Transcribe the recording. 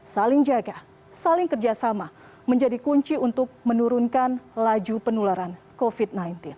saling jaga saling kerjasama menjadi kunci untuk menurunkan laju penularan covid sembilan belas